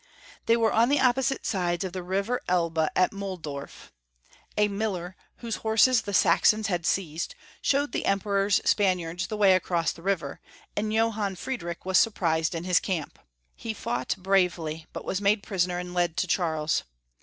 They were on the opposite sides of the river Elbe at Muhldorf . A miller, whose horses the Saxons had seized, showed the Emperor's Spaniards the way across the river, and Johann Friedrich was surprised in his camp. He fought bravely, but was made pris oner, and led to Charles.